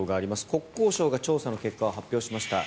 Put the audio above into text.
国交省が調査の結果を発表しました。